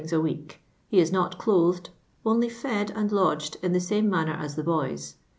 a week : he is not clothed, only fed and ]odgt'd in the .s.ime manner as the boys.